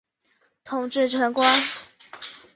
统制陈宧。